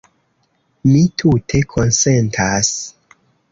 Mi tute konsentas.